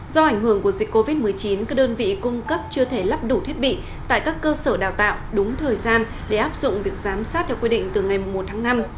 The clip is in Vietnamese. do ảnh hưởng của dịch covid một mươi chín các đơn vị cung cấp chưa thể lắp đủ thiết bị tại các cơ sở đào tạo đúng thời gian để áp dụng việc giám sát theo quy định từ ngày một tháng năm